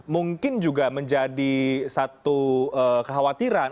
mungkin juga menjadi satu kekhawatiran